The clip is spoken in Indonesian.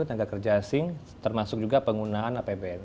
tetapi juga kerja asing termasuk juga penggunaan apbn